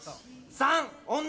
３女